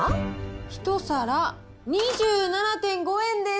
１皿２７．５円です。